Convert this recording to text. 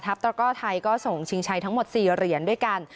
ตระก้อไทยก็ส่งชิงชัยทั้งหมด๔เหรียญด้วยกัน